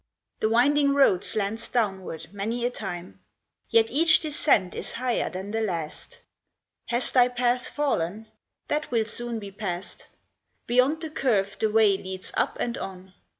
The winding road slants downward many a time; Yet each descent is higher than the last. Has thy path fallen? That will soon be past. Beyond the curve the way leads up and on.